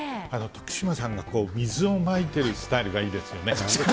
徳島さんが水をまいてるスタイルがいいですよね。